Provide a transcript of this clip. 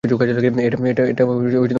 এটা red blaster.